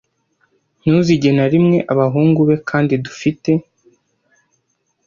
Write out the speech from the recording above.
ntuzigere na rimwe abahungu be kandi dufite